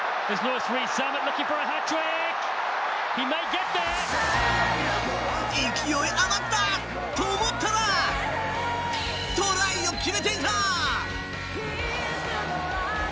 ＫＯＯ勢い余ったと思ったらトライを決めていた！